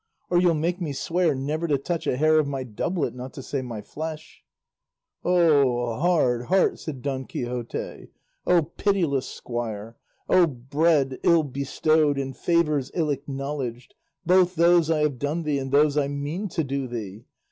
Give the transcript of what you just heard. or you'll make me swear never to touch a hair of my doublet, not to say my flesh." "O hard heart!" said Don Quixote, "O pitiless squire! O bread ill bestowed and favours ill acknowledged, both those I have done thee and those I mean to do thee!